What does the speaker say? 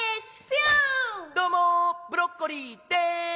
どうもブロッコリーです。